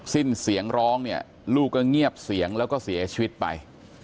สิ้นเสียงร้องเนี่ยลูกก็เงียบเสียงแล้วก็เสียชีวิตไป